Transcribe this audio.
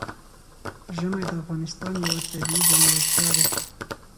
ژمی د افغانستان یوه طبیعي ځانګړتیا ده.